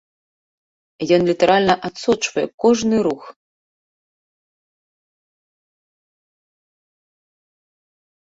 Ён літаральна адсочвае кожны рух.